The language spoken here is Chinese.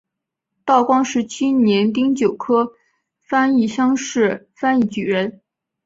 道光十七年丁酉科翻译乡试翻译举人。